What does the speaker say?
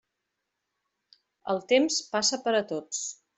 El temps passa per a tots.